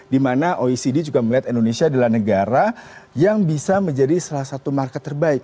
dimana oecd juga melihat indonesia adalah negara yang bisa menjadi salah satu market terbaik